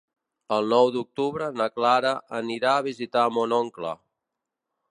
El nou d'octubre na Clara anirà a visitar mon oncle.